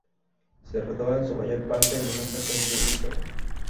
Se rodó en su mayor parte en una casa de Jamestown.